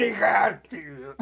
っていう。